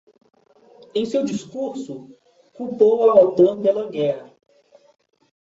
Em seu discurso, culpou a Otan pela guerra